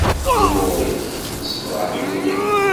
Lumuṛ-ik ssefraḥen-iyi.